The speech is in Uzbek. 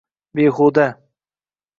Behuda